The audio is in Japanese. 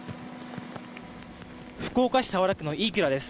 福岡市早良区の飯倉です。